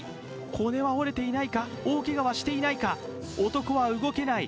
骨は折れていないか、大けがはしていないか、男は動けない。